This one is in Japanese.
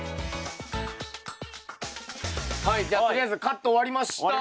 はいじゃあとりあえずカット終わりました。